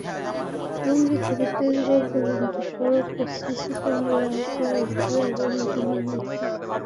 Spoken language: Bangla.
টঙ্গী থেকে তেজগাঁও পর্যন্ত সড়কও সিসি ক্যামেরার আওতায় আসবে আগামী জুনের মধ্যে।